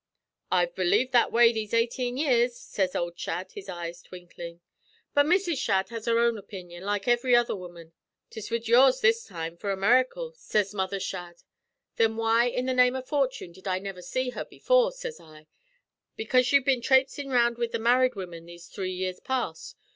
'I've believed that way these eighteen years,' sez ould Shadd, his eyes twinklin'. 'But Mrs. Shadd has her own opinion, like ivry other woman.' ''Tis wid yours this time, for a mericle,' sez Mother Shadd. 'Then why, in the name av fortune, did I never see her before?' sez I. 'Bekaze you've been thraipsin' round wid the married women these three years past.